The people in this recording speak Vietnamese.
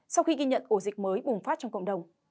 sau khi ghi nhận ổ dịch mới bùng phát trong cộng đồng